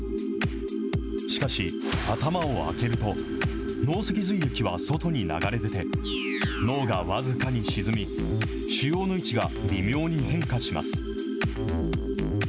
しかし、頭を開けると、脳脊髄液は外に流れ出て、脳が僅かに沈み、腫瘍の位置が微妙に変化します。